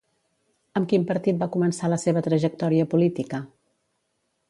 Amb quin partit va començar la seva trajectòria política?